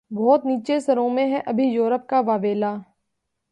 بہت نیچے سروں میں ہے ابھی یورپ کا واویلا